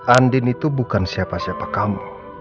andin itu bukan siapa siapa kamu